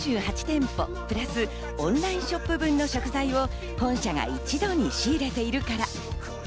その安さの秘密は４８店舗プラス、オンラインショップ分の食材を本社が一度に仕入れているから。